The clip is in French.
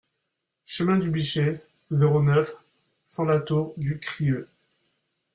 Chemin du Bûcher, zéro neuf, cent La Tour-du-Crieu